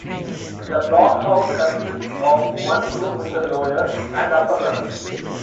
The Block House consists of one room with a lower and upper level.